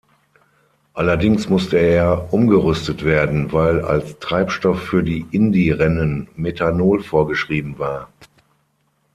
Allerdings musste er umgerüstet werden, weil als Treibstoff für die Indy-Rennen Methanol vorgeschrieben war.